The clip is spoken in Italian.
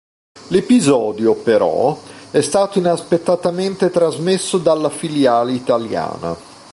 L'episodio, però, è stato inaspettatamente trasmesso dalla filiale italiana.